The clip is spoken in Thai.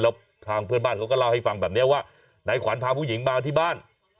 แล้วทางเพื่อนบ้านเขาก็เล่าให้ฟังแบบนี้ว่านายขวัญพาผู้หญิงมาที่บ้าน